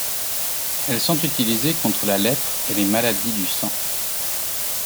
Elles sont utilisées contre la lèpre et les maladies du sang.